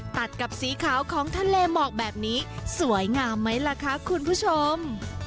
ตัดกับสีขาวของทะเลหมอกแบบนี้สวยงามไหมล่ะคะคุณผู้ชม